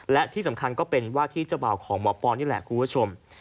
และที่สำคัญก็เป็นว่าที่เจ้าบ่าวของหมอปอนนี่แหละคุณผู้ชม